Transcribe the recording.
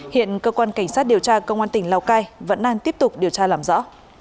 hiện cơ quan cảnh sát điều tra công an tỉnh lào cai vẫn đang tiếp tục điều tra làm rõ